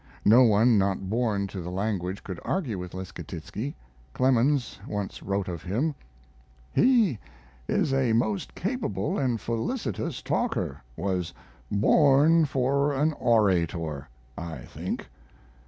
No one not born to the language could argue with Leschetizky. Clemens once wrote of him: He is a most capable and felicitous talker was born for an orator, I think.